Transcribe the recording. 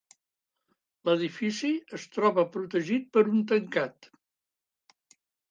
L'edifici es troba protegit per un tancat.